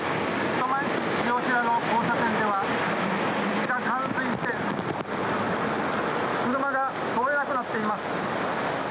糸満市潮平の交差点では道が冠水して車が通れなくなっています。